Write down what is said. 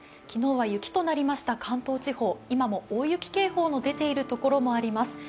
昨日は雪となりました関東地方、今も大雪警報の出ているところもあります。